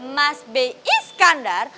mas b iskandar